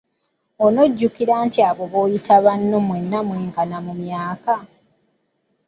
Onojjukira nti abo b'oyita banno mwenna mwenkana mu myaka?